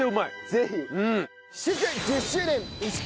ぜひ。